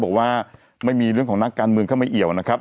บอกว่าไม่มีเรื่องของนักการเมืองเข้ามาเอี่ยวนะครับ